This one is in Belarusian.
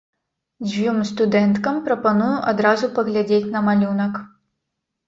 Дзвюм студэнткам прапаную адразу паглядзець на малюнак.